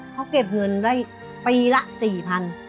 เค้าเก็บเงินได้ปีละสี่พัน